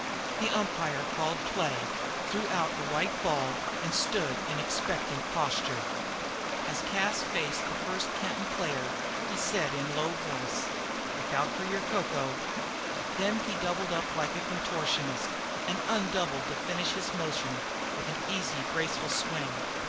The umpire called play, threw out a white ball, and stood in expectant posture. As Cas faced the first Kenton player he said in low voice: "Look out for your coco!" Then he doubled up like a contortionist and undoubled to finish his motion with an easy, graceful swing.